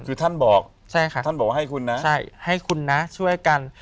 คือท่านบอกใช่ค่ะท่านบอกว่าให้คุณนะใช่ให้คุณนะช่วยกัน